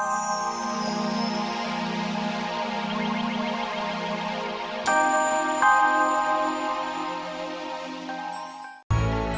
terima kasih mas